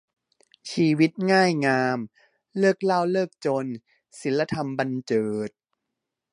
ชีวิตง่ายงาม เลิกเหล้าเลิกจน ศีลธรรมบรรเจิด